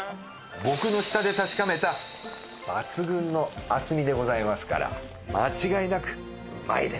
僕の舌で確かめた抜群の厚みでございますから間違いなくうまいです。